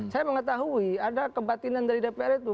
saya mengetahui ada kebatinan dari dpr itu